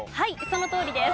そのとおりです。